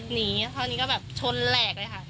หนีคราวนี้ก็แบบชนแหลกเลยค่ะ